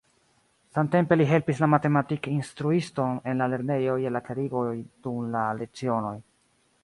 Samtempe li helpis la matematik-instruiston en la lernejo je la klarigoj dum la lecionoj.